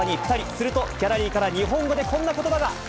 するとギャラリーから日本語でこんなことばが。